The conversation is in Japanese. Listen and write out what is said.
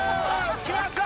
きました！